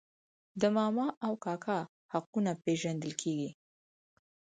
د ماما او کاکا حقونه پیژندل کیږي.